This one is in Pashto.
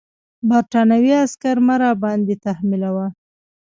برټانوي عسکر مه راباندې تحمیلوه.